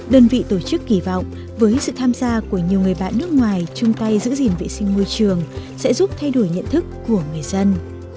đơn vị tổ chức kỳ vọng với sự tham gia của nhiều người bạn nước ngoài chung tay giữ gìn vệ sinh môi trường sẽ giúp thay đổi nhận thức của người dân